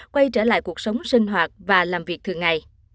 quay trở lại cuộc sống sinh hoạt và làm việc thường ngày